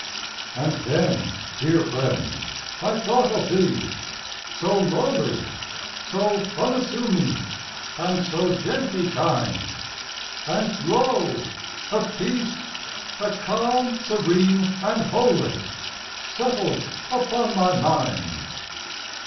And then, dear friend, I thought of thee, so lowly, So unassuming, and so gently kind, And lo! a peace, a calm serene and holy, Settled upon my mind.